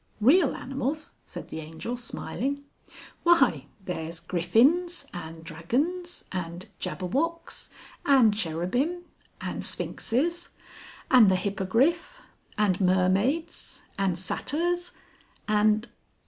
"Real animals!" said the Angel smiling. "Why there's Griffins and Dragons and Jabberwocks and Cherubim and Sphinxes and the Hippogriff and Mermaids and Satyrs and...."